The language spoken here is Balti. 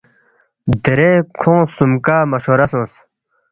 دیرے کھونگ خسُومکا مشورہ سونگس